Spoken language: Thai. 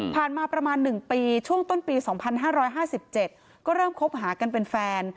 มาประมาณ๑ปีช่วงต้นปี๒๕๕๗ก็เริ่มคบหากันเป็นแฟน